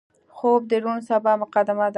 خوب د روڼ سبا مقدمه ده